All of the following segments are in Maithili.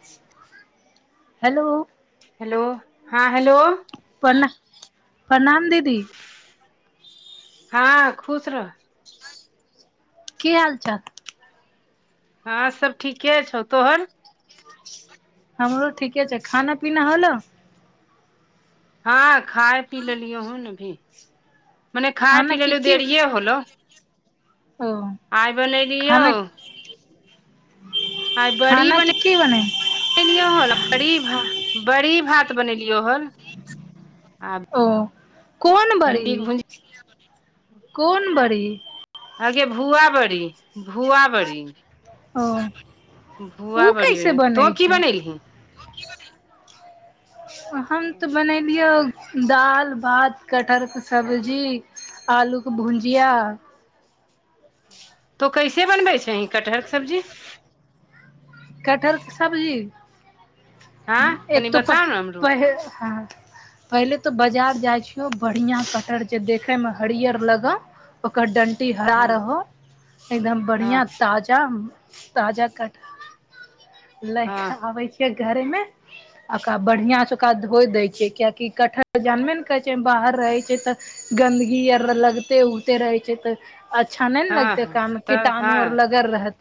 [inaudible] हेलो हेलो हँं हेलो प्रणा प्रणाम दीदी हँ खुश रह की हाल चाल हँं सब ठीके छौ तोहर हमरो ठीके छै खाना पीना होलौ। हँ खाय पी लेलियो हन अभी मन्ने खाय खाना पी की लेलयो की देरिये होलौ ओ आय बनैलियौ खाना आइ बड़ी खाना की बने की बनै बनेलियौ हन बड़ी भा बड़ी भात बनेलियौ हन आ ओ कोन भिंडी के बड़ी भुज कोन बड़ी अगे भुआ बड़ी भुआ बड़ी ओ उ भुआ बड़ी कैसे बने। बनै तो की छै। बनेलही [inaudible] आ हम तऽ बनेलियौ दाल भात कटहरके सब्जी आलूके भुॅंजीया तों कैसे बनबै छैहिं कटहरके सब्जी कटहर के सब्जी हँ [inaudible] तनि एक तो पहि बताउ ने हमरो पहिल हँ पहिले तऽ बजार जाय छीयो बढ़ियाँ कटहर जे देखय मे हरियर लगौ ओकर डण्टी हरा हँ रहौ एकदम बढ़ियाँ हँ ताजा उं ताजा कटहर लैका हँ आबै छियै घरेमे ओकरा बढ़ियासँ ओकरा धोइ दै छियै कियेकी कटहर जानबे ना करै छियै एमे बाहर रहै छै तऽ गन्दगी आर लगिते उगते रहै छै तऽ अच्छा नै न हँ लगतै हँ ओकरा मे तऽ कीटाणु हँ आर लगल रहत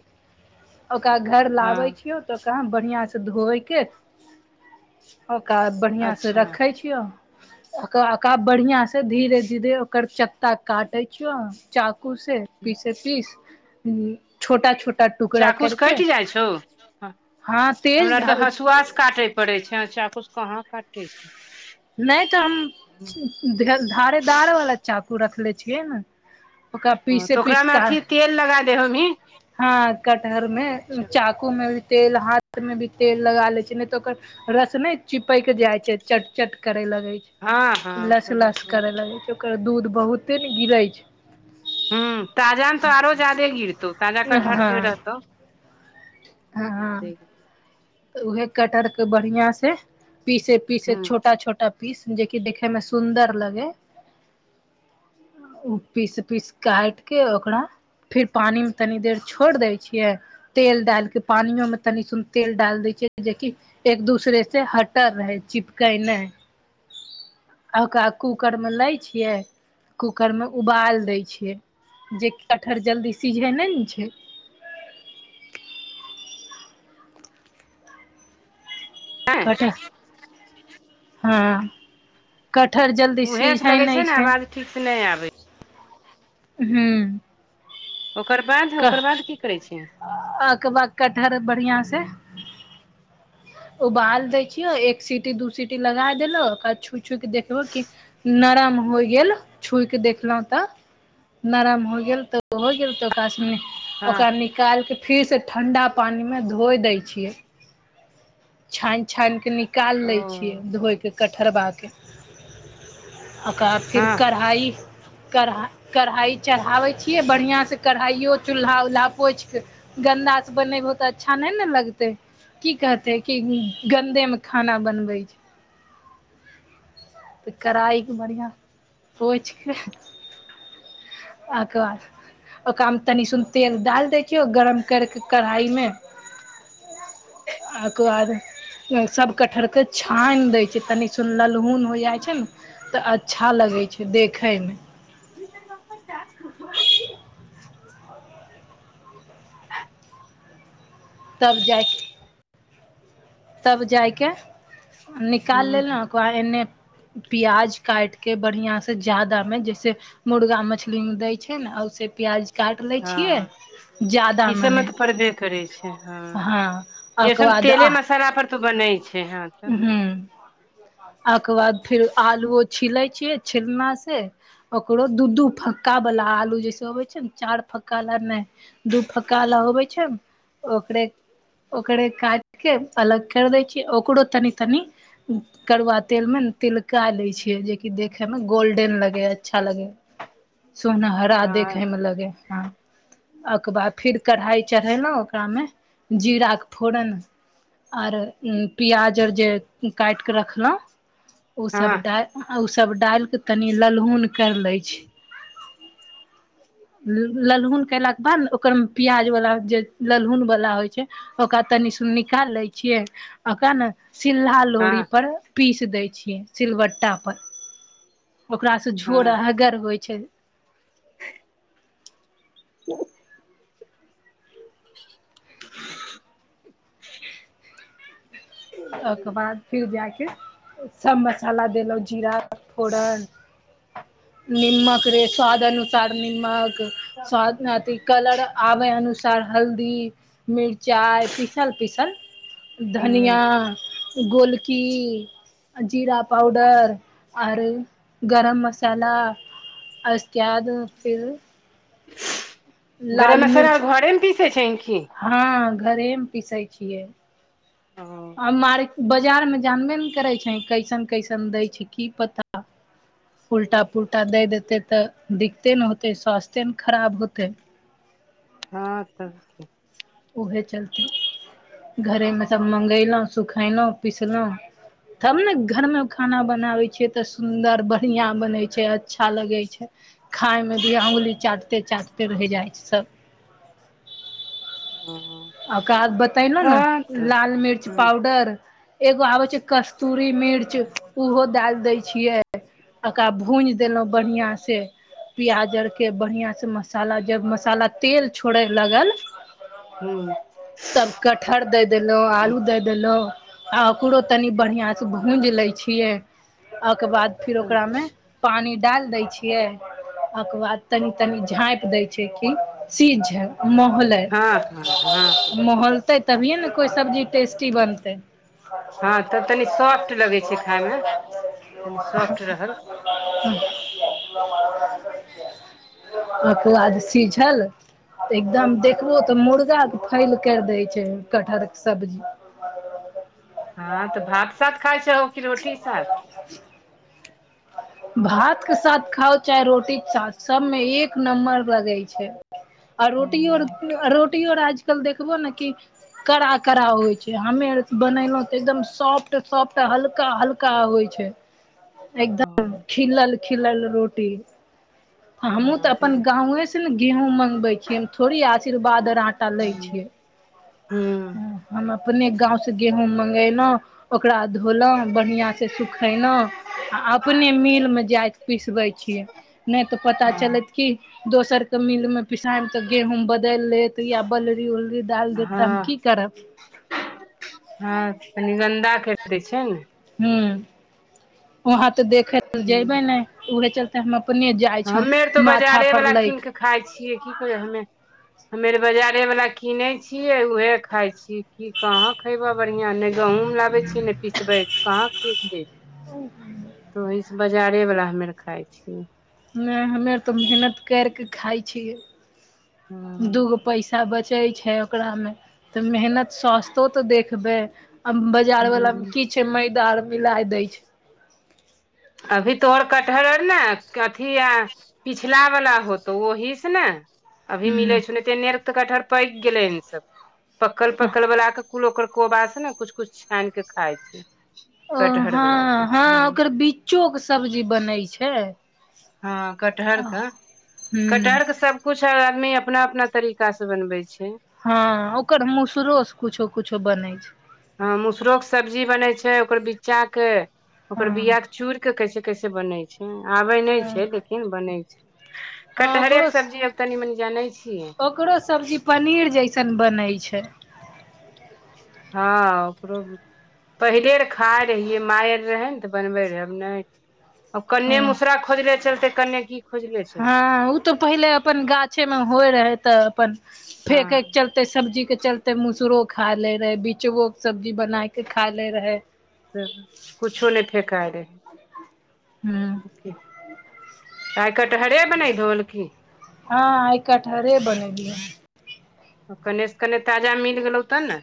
ओकरा घर हँ लाबै छियौ तऽ ओकरा बढ़ियाँ सँ धोयके ओकरा बढ़ियाँसँ अच्छा रखै छियौ ओक ओकरा बढ़ियाँ से धीरे धीरे ओकर चक्का काटै छियौ चाकू से ह पीसें पीस छोटा छोटा टुकड़ा चाकूसँ कैरके कटि जाइ छौ हँ तेज ध काटे पड़ै छै चाकूसे कहाँ कट्टे छै नै तऽ हम धेल धारेदार वाला चाकू रखले छियै ना तऽ ओकरा मे अथी तेल लगा दै होमहींन हँ कटहरमे चाकूमे भी तेल हाथमे भी तेल लगा लै छियै नहि तऽ ओकर रस नै चिपकि जाय छै चट चट करै लगै हँ छै हँ लस ओकर लस करै लगै छै ओकर दूध बहुते ने गिरै छै। हू ताजा आम तो आरो जदे गिरतौ ताजा कटहर जे हँ रहतौ जादे हँ तऽ उहे कटहर के बढ़िया से पीसे पीसे ह छोटा छोटा पीस जेंकि देखे मे सुंदर लगै ओ पीस पीस काटिके ओकरा फिर पानी मे तनी देर छोड़ देय छिये तेल डाल के पानि योंनी सु तेल डाल दै छिय जेकि एक दूसरे से हटर रहै चिपकै नै आ ओकरा कूकरमे लैय छियै कूकरमे उबाल दै छियै जेकि कटहर जल्दी सीझै नै ने छै नहि हँ कटहर जल उहें से लगे छै ने आवाज ठीक से नै आबे हू ओकर बाध ओकर बाध की करै छी अकबाद कटहर बढ़िआ से उबाल देै छियो एक सीटी दू सीटी लगा देलक आ छु चूकि देखलौ कि नरम होइ गेल छुइ के देखलहुं तऽ नरम हो गेल तऽ हो गेल त ओक संगे हँ ओकरा न निकालिके फिरसँ ठण्डा पानिमे धोइ दै छियै छानि छानि कऽ निकालि ओ लै छियै धोय कऽ कटहरबाके ओक बा फेर हँ कढ़ाइ कढ़ाइ कढ़ाइ चढ़ाबै छियै बढ़िआँसँ कढ़ाइओ चूल्हा उल्हा पोछि केऽ गन्दा से बनेबहो तऽ अच्छा नै ने लगतै की कह तै कि गन्देमे खाना बनबै छै तऽ कढ़ाइके बढ़िआँ पौछके अकबार [unintelligible] [unintelligible] दै छियऔ गरम करिके कढ़ाइमे ओक बाद सभ कटहरके छानि दै छै तनि सुन ललहुन हो जाइ छै न तऽ अच्छा लगै छै देखैयमे ी त म त खब [unintelligible] तब जाइख तब जाय केऽ निकालि ह लेलौ ओक बाद एन्नेऽ पिआज काटिके बढ़िआँसँ जादामे जैसे मुर्गा मछली मे दय छै न ओ से प्याज काट लै छियै हँ जादा ई सबमे मने तऽ पड़बे करै छै हँ अकबाद आह त बनै छै हन हू ओक बाद फिर आलुओ छिलै छियै छिलना से ओकरो दू दू फक्कावला आलू जैसे अबै छै ने चारि फक्कावला नै दू फक्का ला अबै छै ओकरे ओकरे कटिके अलग कर दै छिय ओकरो तनि तनी करुआ तेल मे ने तिलका दै छियै जेकि देखे मे गोल्डेन लगै अच्छा लगै सोन हरा हँ देखै मे लगै हँ ओक बाद फेर कढ़ाइ चढ़ेलौ ओकरामे जीराके फोरन आर पियाज आर जे काटिके रखलहुँ ओसभ हँ ड आ ओसभ डाल कऽ तनि ललहुन करि लै छी ललहुन कलाके बाद ने ओकरमे पियाजवला जे ललहुनवला होइ छै ओकरा तनि सुन निकाल लै छियै ओकरा ने सिल्हा लोढ़ी हँ पर पीस दै छियै सिलबट्टा पर ओकरा झोर हँ अहगर होइ छै [inaudible] [inaudible] ओहिकर बाद फेर जा कऽ सभ मसाला देलहुँ जीरा फोरन निमक रे स्वाद अनुसार निमक स्वाद अथ कलर आबे अनुसार हल्दी मिरचाइ पीसल पीसल ह धनियाँ गोलकी जीरा पाउडर आर गरम मसाला आसक्याद फिर गरम लाल मसाला मिर्च आर घरे मे पीसे छै की हँ घरेमे पिसै छियै ओ आ मार बाजारमे जानबे ने करै छै कैसन कैसन दै छै की पता उल्टा पुल्टा दै देतै तऽ दिक्कते ने होतै स्वास्थे ने खराब होतै हँ तब उएह चलते घरेमे सभ मगयलहुँ सुखयलहुँ पिसलहुँ तब ने घरमे खाना बनाबै छियै तऽ सुन्दर बढ़िआँ बनैत छै अच्छा लगै छै खाइमे भी अँगुली चाटते चाटते रहि जाइ छै हु ओकाद बतेलहु ने लाल मिर्च ह पाउडर एगो आबे छै कस्तूरी मिर्च ओहो डाल दय छियै ओकरा भूज देलहुँ बढ़िआँसँ प्याज आरके बढ़ियाँसँ मसाला जब मसाला तेल छोड़य लागल हू तब कटहर दऽ देलहुँ आलू दऽ देलहुँ आ ओकरो तनि बढ़िआँसँ भूजि लैत छियै ओहिकर बाद फेर ओकरामे अच्छा पानि डाल दै छियै ओकर बाद तनी तनी झाँप देै छै कि सीझे मोहलै हँ हँ हँ महलतै तभिए ने कोइ सब्जी टेस्टी बनतै कल हँ तब मरब तनी लाग सॉफ्ट लगै छै शरो खाय मरब मे लाग तनी म [inaudible] सॉफ्ट रहल ह्म [inaudible] काद सीझ एकदम देखबो तऽ मर् [inaudible] फैल कर देय छै कटहर के सब्जी हँ तऽ भात सात खाइ छहो की रोटी साथ भात के साथ खाउ चाहे रोटी के साथ सब मे एक नम्बर लगे छै आ रोटियो हूँ आर रोटिय आर आजकल देखबो ने कि कड़ा कड़ा होइ छै हमे आर बनेलहुँ तऽ एकदम सॉफ्ट सॉफ्ट हल्का हल्का होइ छै एकदम ओ खिलल खिलल रोटी हमहूँ तऽ अपन गावे से ने गेहूँ मँंगगबै छियै हम थोड़ी आशीर्वाद आर आटा लै छियै ह ह [inaudible] अपने गाँंवसँ गेहूँ मगेलहुँ ओकरा धोलहुँ बढ़ियाँ से सुखेलहुँ आ अपने मिलमे जाइत पिसबैत छियै नहि तऽ पता हँ चलैत की दोसर के मिल में पिसायब ते गेहूंम बदेल लेत या बलरी उलरी ढाल देतता हम की हँ करब हँ कनी गन्दा केर दै छै ने हु वहाँ ते देखे ल ह जेबे ने उहे चलते हम अपने जाइ छौ माथा पर लैक खाइ छियै की करै हमे हमेर बजारे वाला किनै छियै उहे खााय छीयै कहाँ खेबह बढ़ियाँ ने गहँंम लाबै छियै ने पिसबै कहाँ खीक जतै तऽ ओही से बजारे वाला हमे आर खाय छियै नहि हमे आर तऽ मेहनत केर कऽ खाइ छियै ह दूगो पैसा बचै छै ओकरा म त मेहनात सस्तो त देखबै अब बाजार वाला म की मैदा आर मिला देय छै अभी तोर कटहर आर ने अथी पिछला वला होतौ ओहि से ने अभी हूँ मिले छौ ने ते एने तऽ कटहर पकि गेले हन सब पकल पकल बला के कुल ओकर कोबा से ने कुछ कुछ छानि के खाइ छै ओ कटहर हँ वला के हँ ओकर बीच्चो के सब्जी बनै छै। हँ कटहरके हूँ कटहर के सब्जी कुछ आदमी अपना अपना तरीका से बनबै छै हँ ओकर मुसुरो सँ कुछो कुछो बनै छै ह मसरो के सब्जी बनै छै ओकर बिच्चा के हँ ओकर बीया के चूड़ के कहे छै कैसे बनै छै आबै नहि हँ छै लेकिन बनै छै हँ ओकरो कटहरेके सब्जी आब तनी मनि जानै छियै ओकरो सब्जी पनीर जैसन बनै छै हँ ओकरो पहिले आर खाय रहियै माय आ रहै ने तऽ बनबै रहैब नहि कन्ने हँ मूसरा खोजले चलते कन्ने की खोजले चलते हँ उ तऽ पहिले अपन गाछे मे होइ रहे तऽ अपन फेेके के हँ चलते ओतेक सब्जीके चलते मसुरो खा लै रहै बिचबोके सब्जी बनाके खाय लै रहै तऽ कुछो नहि फेकाय रहै, हू तइ कटहरे बनैले रोहो की हँ आइ कटहरे बनेलिय कनेसँ कने ताजा मिल गेलौ तब ने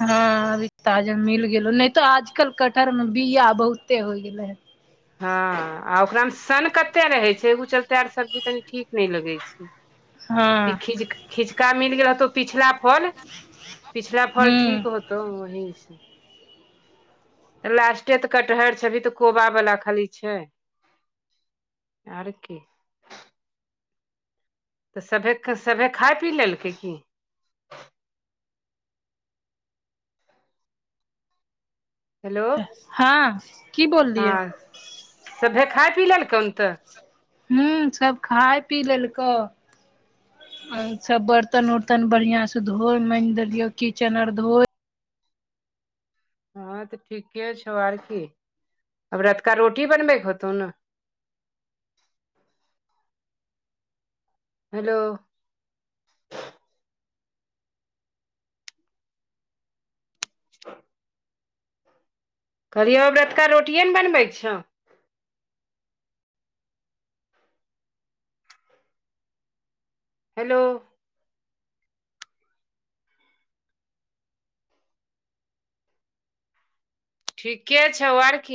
हँ अभी ताज मिल गेलो नहि तो आजकल कटहर मे बिया बहुते होय गेले हन हँ आ ओकरामे सन कते रहै छै एगो चलते आर सब्जी तनी ठीक नहि लगै छै। हँ खिच खिचका मिल गेल होतौ पिछला फल पिछला फल हूँ ठीक होतौ ' तऽ है छै तऽ लास्टे तऽ कटहर अभी तऽ कोबा बला खाली छै आर कि तऽ सभेक सभेक खाय पी लेलकै की हेलो हँ की बोललियै हँ सभे खाय पी लेल कौन तऽ हू सब खाय पी लेलको सब बर्त तन उरतन बढ़िया से धोय मैन देलियौ किचेन आर धोय हँं तऽ ठीके छौ आर की अब रौतुका रोटी बनबैके होतौ ने हेलो त [inaudible] कहलियौ रौतुका रोटिए ने बनबै छौ हेलो ठीके छौ आर की